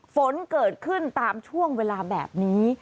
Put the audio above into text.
ฝนเกิดขึ้นตามช่วงเวลาแบบนี้